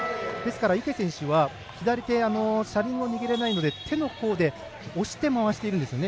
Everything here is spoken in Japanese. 池選手は車輪を握れないので手の甲で押して回してるんですよね。